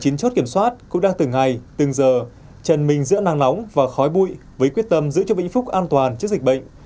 chín chốt kiểm soát cũng đang từng ngày từng giờ chân mình giữa nắng nóng và khói bụi với quyết tâm giữ cho vĩnh phúc an toàn trước dịch bệnh